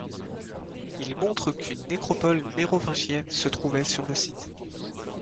Ils montrent qu'une nécropole mérovingienne se trouvait sur le site.